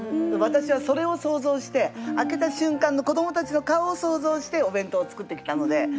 私はそれを想像して開けた瞬間の子どもたちの顔を想像してお弁当を作ってきたので。